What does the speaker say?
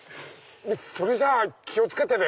それじゃあ気を付けてね。